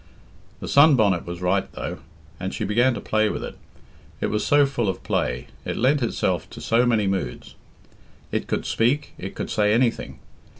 The sun bonnet was right though, and she began to play with it. It was so full of play; it lent itself to so many moods. It could speak; it could say anything.